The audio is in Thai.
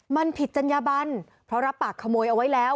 มันผิดจัญญบันเพราะรับปากขโมยเอาไว้แล้ว